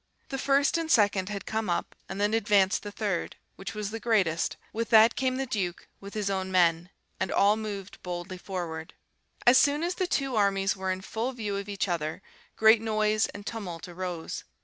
The first and second had come up, and then advanced the third, which was the greatest; with that came the Duke with his own men, and all moved boldly forward. "As soon as the two armies were in full view of each other, great noise and tumult arose.